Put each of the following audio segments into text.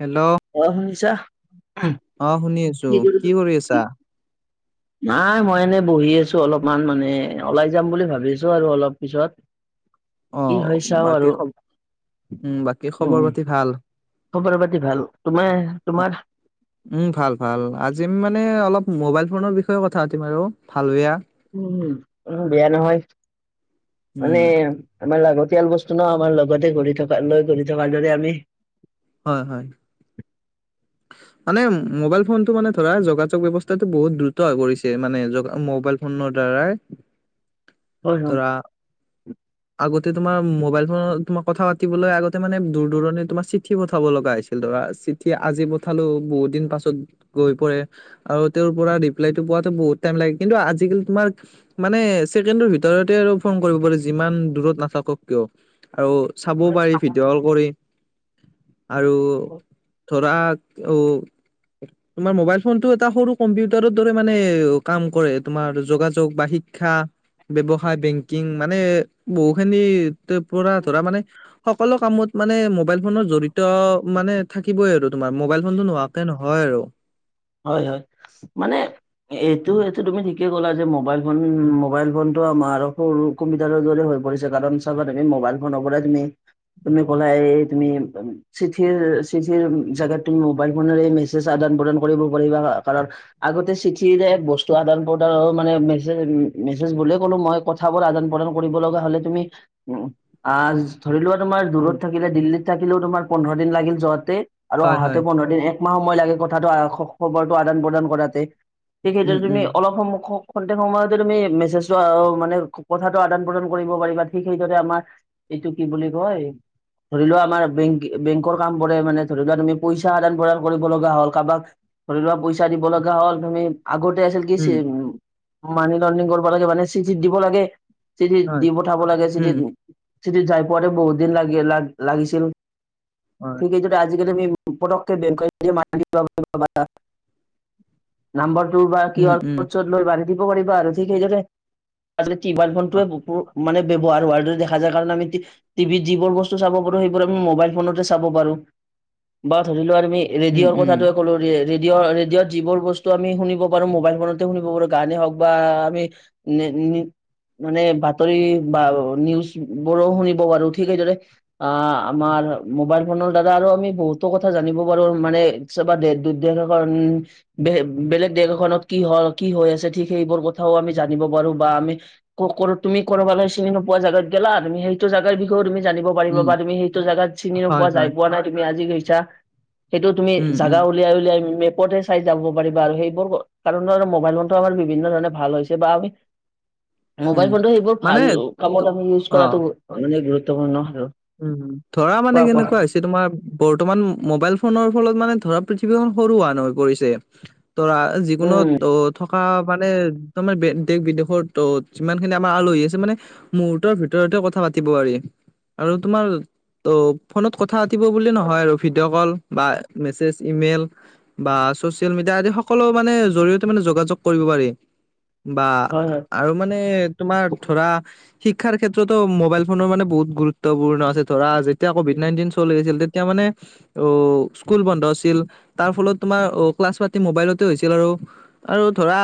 Hello. অ শুনিছা? অ' শুনি আছোঁ। কি কৰি আছা? নাই মই এনে বহি আছো অলপমান মানে ওলাই যাম বুলি ভাবিছো আৰু অলপ পিছত, অ কি হয় চাওঁ বাকী আৰু? খ উম বাকী খবৰ উম' পাতি ভাল খবৰ পাতি ভাল, তোমাৰ অ তোমাৰ? উম' ভাল ভাল, আজি মানে অলপ মোবাইল ফোনৰ বিষয়ে কথা পাতিম আৰু ভাল বেয়া। উম উম' বেয়া নহয়, উম মানে- আমাৰ লাগতিয়াল বস্তু ন, আমাৰ লগতে ঘূৰি থকা লৈ ঘূৰি থকাৰ দৰে আমি- হয় হয়। মানে মোবাইল ফোনটো মানে ধৰা যোগাযোগ ব্যৱস্থাটো বহুত দ্ৰুত হৈ পৰিছে, মানে য মোবাইল- ফোনৰ দ্বাৰাই- [inaudible] হয় ধৰা, আগতে তোমাৰ মোবাইল ফোনত তোমাৰ কথা পাত- তিবলৈ আগতে মানে দূৰ দূৰণি তোমাৰ চিঠি পঠাব লগা হৈছিল ধৰা চিঠি আজি- ঠালো বহুত দিন পাছত গৈ পৰে। আৰু তেওঁৰ পৰা ৰিপ্লাইটো পোৱাতো বহুত টাইম লাগে, কিন্তু আজিকালি তোমাৰ- মানে ছেকেণ্ডৰ ভিতৰতে আৰু ফোন কৰিব পাৰে, যিমান দূৰত নাথাকক কিয়? আৰু- চাবও হয় পাৰি ভিডিঅ' কল কৰি আৰু ধৰা, - অও' তোমাৰ মোবাইল ফোনটো এটা সৰু কম্পিউটাৰৰ দৰে মানে কাম কৰে, তোমাৰ যোগাযোগ বা শিক- শিক্ষা, ব্যৱসায়, বেংকিং মানে বহু খিনি- তে পৰা ধৰা মানে সকলো কামত মানে মোবাইল ফোনত জৰিত মানে- থাকিবই আৰু তোমাৰ মোবাইল ফোনটো নোহোৱাকে নহয় আৰু। হয় হয়, মানে এইটো উম এইটো তুমি ঠিকেই ক'লা যে মোবাইল ফোন উম, মোবাইল ফোন- টো আমাৰ সৰু কম্পিউটাৰৰ দৰে হৈ পৰিছে, কাৰণ চাবা তুমি মোবাইল ফোনৰ পৰাই তুমি- তুমি ক'লা এই তুমি- চিঠিৰ চিঠিৰ জেগাত তুমি মোবাইল ফোনেৰে মেছেজ আদান প্ৰদান কৰিব পাৰিবা, কাৰণ- আগতে চিঠিৰে বস্তু আদান পদানৰ মানে মেছেজ মেছেজ বুলিয়ে ক'লো মই ক- থাবোৰ আদান প্ৰদান কৰিব লগা হ'লে তুমি উম- আঁহ ধৰি লোৱা তোমাৰ উম, দূৰত থাকিলে দিল্লীত থাকিলেও তোমাৰ পোন্ধৰ দিন লাগিল যোৱাতে- আৰু হয় আহাতে হয় পোন্ধৰ দিন একমাহ সময় লাগে কথাটো আহ খবৰটো আদান প্ৰদান কৰাতে। সেই কেইটা উম তুমি উম অলপ সন্মুখত- খনটেক সময়তে তুমি মেছেজটো মানে কথাটো আদান প্ৰদান কৰিব পাৰিবা, ঠিক সেইদৰে আমাৰ- এইটো কি বুলি কয়? ধৰি লোৱা আমাৰ বেংকৰ কামবোৰে মানে ধৰি লোৱা তুমি পইচা আদান প্ৰদান কৰিব লগা হ'ল, কাবাক- ধৰি লোৱা পইচা দিব লগা হ'ল তুমি, আগতে আছিল কি উম চিম- মানি লণ্ড্ৰিং কৰিব লাগে মানে চিঠিত দিব লাগে চিঠিত হয় দি পঠাব লাগে উম চিঠিত- চিঠিত যাই পোৱাতে বহুত দিন লাগি লাগিছিল, হয় ঠিক সেইদৰে- আজিকালি আমি পটককে [unintelligible] নাম্বাৰটো বা কি উম হল‌ উম নোট চোট লৈ বান্ধি দিব পাৰিবা আৰু, ঠিক সেইদৰে- টিবাইল অ, ফোনটোৱে মানে ব্যৱহাৰ হোৱাৰ দৰে দেখা যায়, কাৰণ আমি টি- টিভিত যিবোৰ বস্তু চাব পাৰো সেইবোৰ আমি মোবাইল ফোনতে চাব পাৰো, বা ধৰি লোৱা তুমি- এ উম ৰেডিঅ'ৰ উম কথাটো- কলো ৰেডিঅ' ৰেডিঅ'ত যিবোৰ বস্তু আমি শুনিব পাৰো মোবাইল ফোনতে শুনিব পাৰো, গানেই হওক বা আমি- নে নি- মানে বাতৰি বা নিউজ বোৰো শুনিব পাৰো, ঠিক সেইদৰে- অঁ আমাৰ মোবাইল ফোনৰ দাদা আৰু আমি বহুতো কথা জানিব পাৰো, মানে- চাবা দে দুদেশ কৰণ। বে- বেলেগ দেশ এখনত কি হয়, কি হৈ আছে, ঠিক সেইবোৰ কথাও আমি, জানিব পাৰোঁ। বা আমি, [unintelligible] তুমি ক'ৰবালৈ চিনি নোপোৱা জাগাত গ'লা। তুমি সেইটো জাগাৰ বিষয়েও তুমি জানিব পাৰিব উম বা তুমি, সেইটো জেগাত তুমি চিনি হয় নোপোৱা, যাই হয় পোৱা নাই, তুমি আজি গৈছা। সেইটো তুমি উম উম জাগা উলিয়াই-উলিয়াই মেপতে চাই যাব পাৰিবা আৰু। সেইবোৰ কাৰণৰ মোবাইল ফোনটো আমাৰ, বিভিন্ন ধৰণে ভাল হৈছে। বা আমি, উম মোবাইল ফোনটো সেইবোৰ মানে ভাল ত- কামত আমি ইউজ অ কৰাটো, মানে গুৰুত্বপূৰ্ণ আৰু। উম, উম! ধৰা মানে, কোৱা কোৱা কেনেকুৱা হৈছে তোমাৰ, বৰ্তমান, মোবাইল ফোনৰ ফলত মানে, ধৰা পৃথিৱীখন সৰু [unintelligible] হৈ পৰিছে। ধৰা, যিকোনো উম তোত থকা মানে, তোমাৰ দেশ-বিদেশত যিমান খিনি আমাৰ আলহী আছে মানে, মুহুৰ্তৰ ভিতৰতে কথা পাতিব পাৰি। আৰু তোমাৰ, ত' ফোনত কথা পাতিব বুলি নহয় আৰু। ভিডিঅ' ক'ল বা মেছেজ ই-মেইল বা ছ'চিয়েল মিডিয়া আদি, সকলো মানে, জৰিয়তে মানে, যোগাযোগ কৰিব পাৰি। বা হয় হয় আৰু মানে, তোমাৰ ধৰা, শিক্ষাৰ ক্ষেত্ৰতো মোবাইল ফোনৰ মানে, বহুত গুৰুত্বপূৰ্ণ আছে। ধৰা, যেতিয়া ক'ভিড নাইনটিন চলি আছিল, তেতিয়া মানে, ত' স্কুল বন্ধ আছিল। তাৰ ফলত তোমাৰ, ক্লাছ- পাতি মোবাইলতে হৈছিল আৰু। আৰু ধৰা,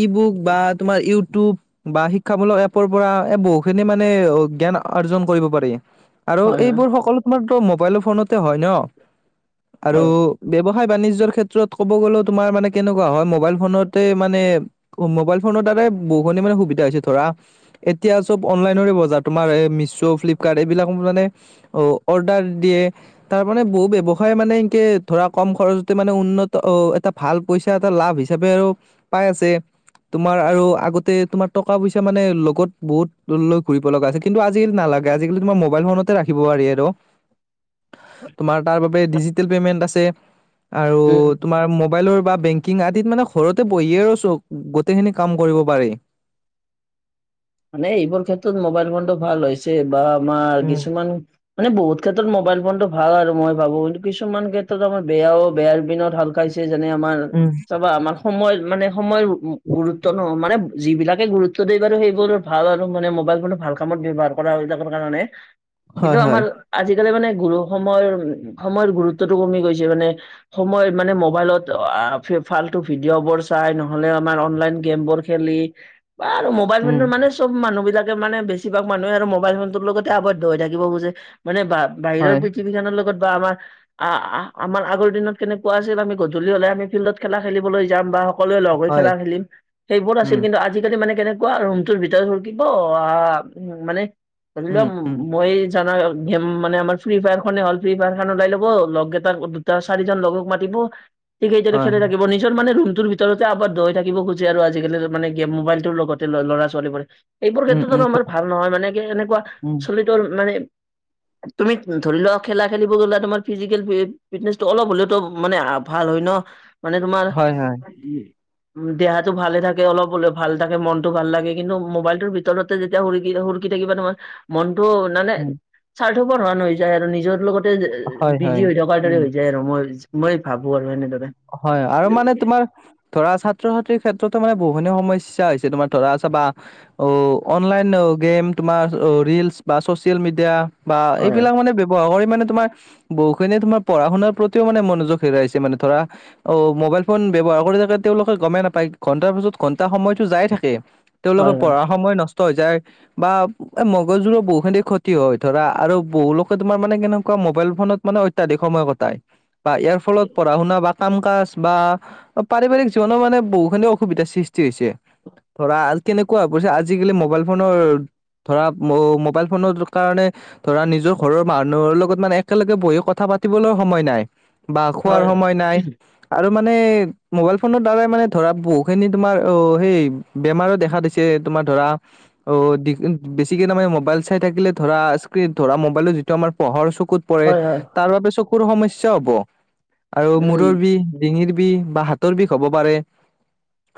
ই-বুক বা তোমাৰ ইউটিউব বা শিক্ষামূলক এপৰ পৰা, এ, বহু খিনি মানে, অ'! জ্ঞান অৰ্জন কৰিব পাৰি। আৰু হয় হয় এইবোৰ সকলো তোমাৰতো মোবাইল ফোনতে হয় ন'! আৰু হয় ব্যৱসায় বাণিজ্যযৰ ক্ষেত্ৰত ক'ব গ'লে, তোমাৰ মানে, কেনেকুৱা হয়, মোবাইল ফোনতে মানে, অ' মোবাইল ফোনৰ দ্বাৰাই বহুখিনি মানে, সুবিধা হৈছে ধৰা। এতিয়া চব, অনলাইনৰে বজাৰ। তোমাৰ মিছো, ফ্লিপকাৰ্ট এইবিলাক মানে। অ'! অৰ্ডাৰ দিয়ে। তাৰমানে, বহু ব্যয়ৱসায় মানে, এনকে ধৰা, কম খৰচতে মানে উন্নত অ'! এটা। ভাল পইচা এটা লাভ হিচাপে আৰু পাই আছে। তোমাৰ আৰু আগতে, তোমাৰ টকা-পইচা মানে, লগত বহুত লৈ ঘূৰিব লগা আছে। কিন্তু, আজিকালি নালাগে। আজিকালি তোমাৰ মোবাইল ফোনতে ৰাখিব পাৰি আৰু। তোমাৰ তাৰ বাবে ডিজিটেল পেমেন্ট আছে। আৰু উম তোমাৰ মবাইলৰ বা বেং কিং আদিত মানে ঋণ, ঘৰতে বহিয়ে আৰু চব, গোটেইখিনি কাম কৰিব পাৰি। মানে, এইবোৰ ক্ষেত্ৰত মোবাইল ফোনটো ভাল হৈছে। বা আমাৰ উম, কিছুমান, মানে, বহুত ক্ষেত্ৰত মোবাইল ফোনটো ভাল আৰু মই ভাবোঁ! কিন্তু, কিছুমান ক্ষেত্ৰত আমাৰ বেয়াও। বেয়াৰ পিনত [unintelligible] ছে। যেনে আমাৰ, উম, উম, চাবা আমাৰ, সময় মানে, সময়ৰ গুৰুত্ব ন'! মানে, যিবিলাকে গুৰু ত্ব দিয়ে বাৰু সেইবোৰ, ভাল আৰু মানে। মোবাইল ফোনটো ভাল কামত ব্যৱহাৰ কৰা হয়, এইবিলাকৰ কাৰণে। হয়। কিন্তু, আমাৰ আজিকালি মানে, গুৰু সময়ৰ, উম, সময়ৰ গুৰুত্বটো কমি গৈছে মানে। সময় মানে, মোবাইলত [unintelligible] ফালটো ভিডিঅবোৰ চাই, নহ'লে আমাৰ, অনলাইন গেমবোৰ খেলি। বা আৰু মোবাইল ফোনৰ মানে, চব মানুহবিলাকে মানে, বেছিভাগ মানুহে আৰু মোবাইল ফোনটোৰ লগতে আৱদ্ধ হৈ থাকিব বুজে, মানে বা বাহিৰৰ পৃথিৱীখনৰ লগত বা আমাৰ আঁ-আঁ আমাৰ আগৰ দিনত কেনেকুৱা আছিল, আমি গধূলি হ'লে, আমি ফিল্ডত খেলা খেলিবলৈ যাম বা সকলোৱে লগ হৈ খেলা হয়, খেলিম, সেইবোৰ নাছিল। উম, কিন্তু, আজিকালি মানে কেনেকুৱা! ৰুমটোৰ ভি [unintelligible] আঁ মানে, ধৰি লোৱা উম, উম, মই, জানা? মানে, আমাৰ ফ্ৰী -ফায়াৰ খনে হ'ল। ফ্ৰী- ফায়াৰ খন ওলাই ল'ব, লগকেইটাৰ দুটা চাৰিজন লগক মাতিব সেই কেইজনে হয়, খেলে থাকিব নি- পিছত মানে ৰুমটোৰ ভিতৰতে আবদ্ধ হৈ থাকিব খোজে আৰু আজিকালি মানে মোবাইলটোৰ লগতে ল'ৰা ছোৱালীবোৰে, এইবোৰ উম, ক্ষেত্ৰত উম, আৰু আমাৰ ভাল নহয়, মানে কি এনেকুৱা উম, চলিতৰ মানে- তুমি ধৰি লোৱা খেলা খেলিব গ'লে তোমাৰ ফিজিকেল- ফিটনেচটো অলপ হলেওতো মানে ভাল হয় ন? মানে তোমাৰ- হয়, হয়, দেহাটো ভালে থাকে অলপ হলেও ভাল থাকে মনতটো ভাল লাগে কিন্তু- মোবাইলটোৰ ভিতৰতে যেতিয়া সুৰকি- সুৰিকি থাকিবা তোমাৰ মনতটো নাযায়। উম। স্বাৰ্থপৰ ধৰণৰ হৈ যায় আৰু নিজৰ লগতে হয়, বিজি হয়, হৈ থকাৰ দৰে উম। হৈ যায় আৰু। মই মই ভাবো আৰু এনেদৰে। হয়, আৰু মানে তোমাৰ- ধৰা ছাত্ৰ-ছাত্ৰীৰ ক্ষেত্ৰতো মানে বহু সিনি সমস্যা হৈছে তোমাৰ ধৰা আছ বা, অ অনলাইন গেম, তোমাৰ ৰিলচ বা চচিয়েল মিডিয়া বা হয় এইবিলাক মানে- ব কৰি মানে তোমাৰ বহু খিনিয়ে তোমাৰ পঢ়া শুনাৰ প্ৰতিও মানে মনোযোগ হেৰাইছে মানে ধৰা। অ' মোবাইল ফোন ব্যৱহাৰ কৰি থাকে তেওঁলোকে গমেই নাপায় ঘণ্টাৰ পিছত ঘন্টা সময়তো যাই থাকে। তেওঁলোকৰ হয় পঢ়াৰ সময় নষ্ট হৈ যায়। বা মগজু বহু খিনি ক্ষতি হয় ধৰা আৰু বহু লোকে তোমাৰ মানে কেনেকুৱা মোবাইল ফোনত মানে অত্যাধিক সময় কটাই বা ইয়াৰ ফলত পঢ়া শুনা বা কাম কাজ বা পাৰিবাৰিক জীৱনৰ মানে বহুখিনি অসুবিধাৰ সৃষ্টি হৈছে। ধৰা আ কেনেকুৱা হৈ গৈছে আজিকালি মোবাইল ফোনৰ, ধৰা মো মোবাইল ফোনৰ কাৰণে ধৰা নিজৰ ঘৰৰ মানুহৰ লগত মানে একেলগে বহি কথা পাতিবলৈ সময় নাই। বা খোৱাৰ হয় সময় নাই। আৰু মানে মোবাইল ফোনৰ দ্বাৰাই মানে ধৰা বহু খিনি তোমাৰ অ সেই, বেমাৰো দেখা দিছে, তোমাৰ ধৰা- অ বেছিকে তাৰমানে মোবাইল চাই থাকিলে ধৰা স্ক্ৰীন ধৰা মোবাইলো যিটো আমাৰ পঢ়ৰ চকুত, পৰে হয় হয় তাৰ বাবে চকুৰ সমস্যা হ'ব। আৰু মোৰ উম ডিঙিৰ বিষ বা হাতৰ বিষ হ'ব পাৰে,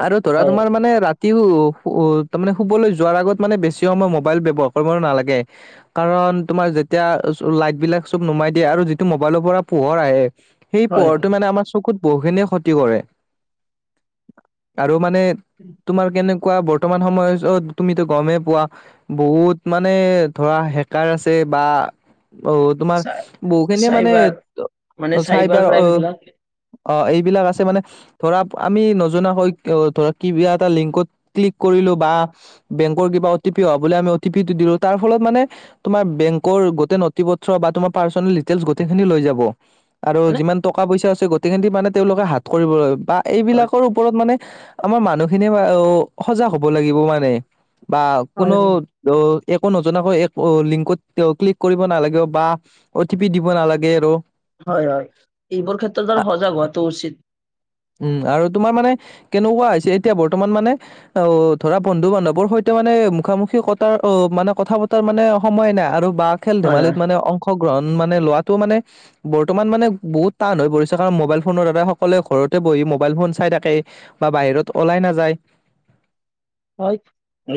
আৰু ধৰা হয় তোমাৰ মানে ৰাতি তেওঁ তাৰ মানে শুবলৈ যোৱাৰ আগত মানে বেছি সময় মোবাইল ব্যৱহাৰ কৰিব নালাগে। কাৰণ তোমাৰ যেতিয়া লাইট বিলাক চব নুমাই দিয়ে, আৰু যিটো মোবাইলৰ পৰা পোহৰ আহে সেই হয় পোহৰত মানে আমাৰ চকুত বহুখিনিয়ে ক্ষতি কৰে আৰু মানে, উম- তোমাৰ কেনেকুৱা বৰ্তমান সময় যত তুমিতো গমেই পোৱা বহুত মানে ধৰা হেকাৰ আছে বা অ তোমাৰ চাই বহুখিনিয়ে মানে চাইবাৰ মানে চাইবাৰ অ, ক্ৰাইম বিলাক অ এইবিলাক আছে মানে। ধৰা আমি নজনাকৈ ধৰা কিবা এটা লিংকত ক্লিক কৰিলো বা, বেংকৰ কিবা অ টি পি অহা বুলি আমি অ টি পিটো দিলো তাৰ ফলত মানে, তোমাৰ বেংকৰ গোটেই নথিপত্ৰ বা তোমাৰ পাৰ্চনলি দিতেলচ গোটেই খিনি লৈ যাব। আৰু মানে যিমান টকা পইচা আছে, গোটেইখিনি মানে তেওঁলোকে হাত কৰিবলৈ বা হয় এইবিলাকৰো ওপৰত মানে আমাৰ মানুহখিনিয়ে সজাগ হ'ব লাগিব মানে। বা হয় কোনো- ত একো নজনাকৈ একো লিংকত তেওঁ ক্লিক কৰিব নালাগিব বা অ টি পি দিব নালাগে আৰু হয় হয় এইবোৰ ক্ষেত্ৰত বাৰু সজাগ হোৱাটো উচিত। উম, আৰু তোমাৰ মানে কেনেকুৱা হৈছে এতিয়া বৰ্তমান মানে অ' ধৰা বন্ধু বান্ধৱৰ সৈতে মানে মুখামুখি কটাৰ অ' মানে কথা পতাৰ মানে সময় নাই আৰু বা খেল হয় হয় ধেমালিত মানে অংশগ্ৰহণ মানে লোৱাটো মানে বৰ্তমান মানে বহুত টান হৈ পৰিছে। কাৰণ মোবাইল ফোনৰ দ্বাৰাই সকলোৱে ঘৰত বহি মোবাইল ফোন চাই থাকে বা বাহিৰত ওলাই নাযায়। হয়,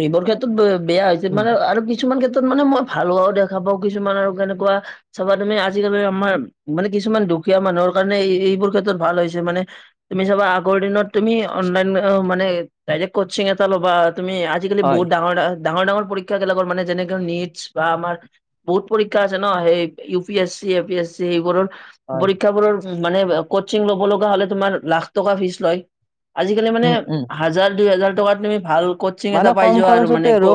এইবোৰ ক্ষেত্ৰত বেয়া হৈছে উম, মানে আৰু কিছুমান ক্ষেত্ৰত মানে মই ভাল হোৱাও দেখোঁ পাওঁ। আকৌ কিছুমান আৰু কেনেকুৱা চাবাত মানে আজিকালি আমাৰ মানে কিছুমান দুখীয়া মানুহৰ কাৰণে এইবোৰ ক্ষেত্ৰত ভাল হৈছে মানে তুমি চাবা আগৰ দিনত তুমি অনলাইন মে ডাইৰেক্ট কচিংট ল'বা তুমি আজিকালি হয়, বহুত ডাঙৰ ডাঙৰ ডাঙৰ পৰীক্ষা গিলাকৰ মানে যেনেকে নিটছ বা আমাৰ বহুত পৰীক্ষা আছে ন সেই U P S C, A P S C এইবোৰৰ হয় পৰীক্ষাবোৰৰ মানে কচিং ল'ব লগা হ'লে তোমাৰ লাখ টকা ফিচ লয়। আজিকালি মানে উম উম হাজাৰ দুই হাজাৰ টকাত তুমি ভাল কচিং এটা মানে পাই কম যোৱা আৰু মানে খৰচতে ক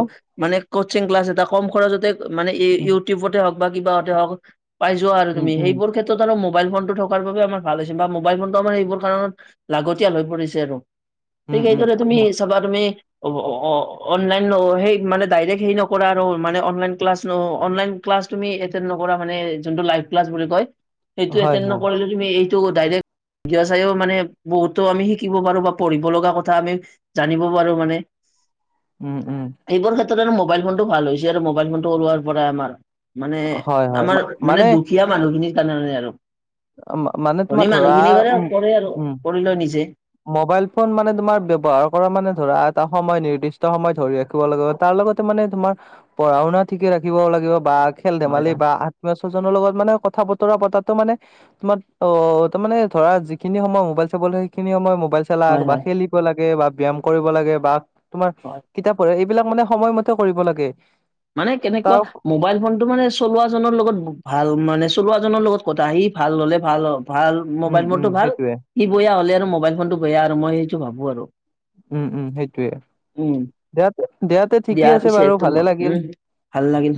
মানে কচিং ক্লাছ এটা কম খৰচতে মানে ই উম। ইউটিউবতে হওঁক বা কিবাহতে হওঁক পাই যোৱা আৰু উম, তুমি উম, সেইবোৰ ক্ষেত্ৰত আৰু মোবাইল ফোনটো থকাৰ বাবে আমাৰ ভাল হৈছে বা মোবাইল ফোনটো আমাৰ সেইবোৰ কাৰণত লাগতিয়াল হৈ পৰিছে আৰু ঠিক উম, উম, সেইদৰে তুমি চাবা তুমি, অ' অ' অনলাইন সেই মানে ডাইৰেক্ট হে নকৰা আৰু মানে অনলাইন ক্লাছ ন অনলাইন ক্লাছ তুমি এতেন নকৰা মানে যোনটো লাইফ ক্লাছ বুলি কয়, সেইটো হয়, এতেন হয়, নকৰিলে তুমি এইটো ডাইৰেক্ট গিয়া চাইও মানে বহুতো আমি শিকিব পাৰোঁ বা পঢ়িব লগা কথা আমি জান জানিব পাৰোঁ মানে উম, উম। এইবোৰ ক্ষেত্ৰত আৰু মোবাইল ফোনটো ভাল হৈছে আৰু মোবাইল ফোনটো ওলোৱাৰ পৰা আমাৰ মানে হয়, হয়, আমাৰ মা- মানে দুখীয়া মানুহখিনিৰ কাৰণে আৰু মা- মানে তোমাৰ ধনী ধৰা মানুহখিনিবাৰে কৰে আৰু কৰি লয় নিজে। ম'বাইল ফোন মানে তোমাৰ ব্যৱহাৰ কৰা মানে ধৰা এটা সময় নিৰ্দিষ্ট সময় ধৰি ৰাখিব লাগিব। তাৰ লগতে মানে তোমাৰ পঢ়া শুনা ঠিকে ৰাখিব লাগিব বা খেল হয় ধেমালি বা আত্মীয় স্বজনৰ লগত মানে কথা বতৰা পতাতো মানে তোমাৰ অ' তাৰমানে ধৰা যিখিনি সময় মোবাইল চাব লাগে সেইখিনি সময়ত মোবাইল চালা হয় বা হয় খেলি লাগে বা ব্যায়াম কৰিব লাগে বা তোমাৰ হয় কিতাপ পঢ়া এইবিলাক মানে সময়মতে কৰিব লাগে। মানে কেনেকুৱা তাৰ মোবাইল ফোনটো মানে চলুৱা জনৰ লগত ভাল মানে চলুৱা জনৰ লগত কথা সি ভাল হ'লে ভাল ভাল উম মোবাইল ফোন উম টো ভাল, সেইটোয়ে সি বেয়া হ'লে আৰু মোবাইল ফোনটো বেয়া আৰু মই সেইটো ভাবোঁ আৰু উম, উম, সেইটোয়ে উম দিয়া দিয়াতে ঠিকে দিয়া আছে পিছে বাৰু তুম ভালে লাগে উম, ভাল লাগিল।